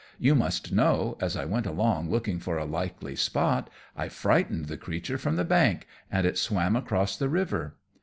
You must know, as I went along looking for a likely spot, I frightened the creature from the bank, and it swam across the river.